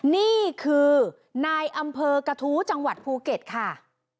นี่คือนายอำเภอกระทู้จังหวัดภูเก็ตค่ะ